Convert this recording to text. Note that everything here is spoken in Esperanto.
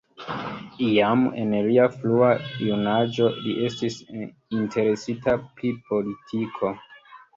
Jam en lia frua junaĝo li estis interesita pri politiko.